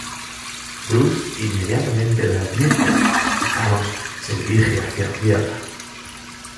Bruce inmediatamente les advierte que Thanos se dirige hacia la Tierra.